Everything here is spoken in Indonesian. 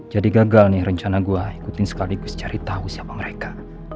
jadi gagal nih rencana gua ikutin sekaligus cari tau siapa mereka